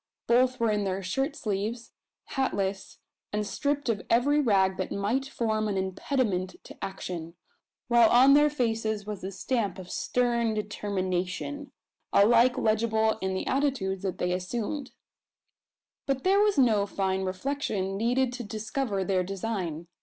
Both were in their shirt sleeves, hatless, and stripped of every rag that might form an impediment to action; while on their faces was the stamp of stern determination alike legible in the attitudes they had assumed. But there was no fine reflection needed to discover their design.